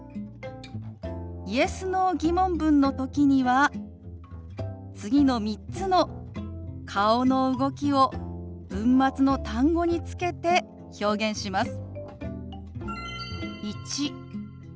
Ｙｅｓ／Ｎｏ−疑問文の時には次の３つの顔の動きを文末の単語につけて表現します。